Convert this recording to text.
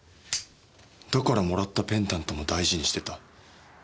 だからもらったペンダントも大事にしてた。